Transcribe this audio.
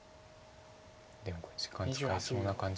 でもこれ時間使いそうな感じですよね。